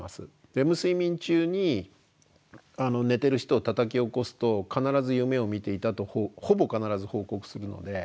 レム睡眠中に寝てる人をたたき起こすと必ず夢を見ていたとほぼ必ず報告するので。